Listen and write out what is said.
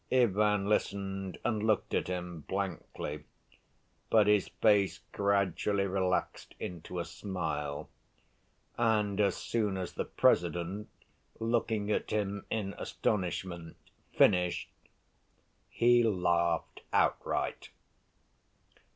Ivan listened and looked at him blankly, but his face gradually relaxed into a smile, and as soon as the President, looking at him in astonishment, finished, he laughed outright.